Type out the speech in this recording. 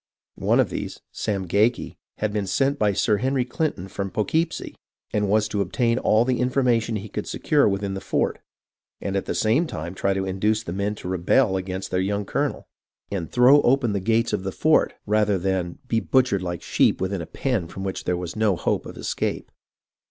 One of these, Sam Geake, had been sent by Sir Henry Clinton from Poughkeepsie, and was to obtain all the information he could secure within the fort, and at the same time try to induce the men to rebel against their young colonel, and throw open the gates of the fort rather than "be butchered like sheep within a pen from which there was no hope of escape."